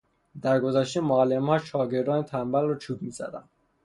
در گذشته معلمها شاگردان تنبل را چوب میزدند.